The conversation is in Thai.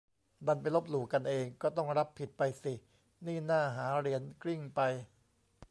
ดันไปลบหลู่กันเอง ก็ต้องรับผิดไปสินี่ น่าหาเหรียญกลิ้งไป